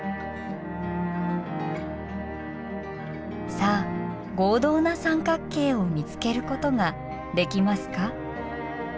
さあ合同な三角形を見つけることができますか？